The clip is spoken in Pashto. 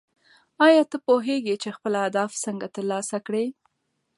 ایا ته پوهېږې چې خپل اهداف څنګه ترلاسه کړې؟